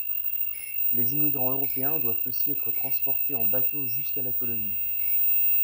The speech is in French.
Les immigrants européens doivent aussi être transportés en bateau jusqu'à la colonie.